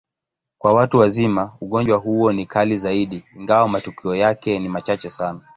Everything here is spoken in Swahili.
Kwa watu wazima, ugonjwa huo ni kali zaidi, ingawa matukio yake ni machache sana.